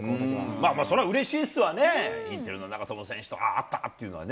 まあまあ、それはうれしいっすわね、インテルの長友選手と会ったっていうのはね。